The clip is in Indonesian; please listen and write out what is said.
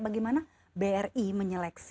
bagaimana bri menyeleksi